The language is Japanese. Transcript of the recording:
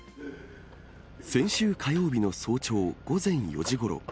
先週火曜日の早朝、午前４時ごろ。